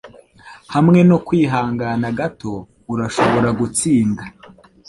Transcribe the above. Hamwe no kwihangana gato, urashobora gutsinda.